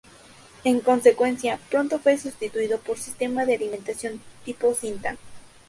En consecuencia, pronto fue sustituido por un sistema de alimentación tipo cinta.